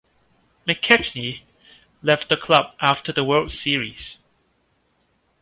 McKechnie left the club after the World Series.